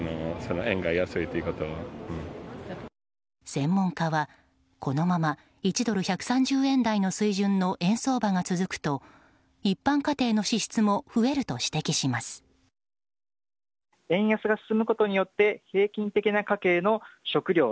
専門家は、このまま１ドル＝１３０円台の水準の円相場が続くと一般家庭の支出も増えると指摘します。